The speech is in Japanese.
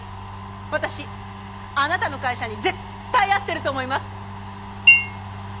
私あなたの会社に絶対合ってると思います！